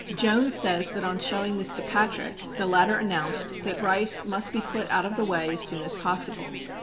Jones says that on showing this to Patrick the latter announced that Rice must be put out of the way as soon as possible.